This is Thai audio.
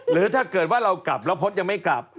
หรือถ้าเกิดว่าเรากลับแล้วพจน์ยังไม่กลับ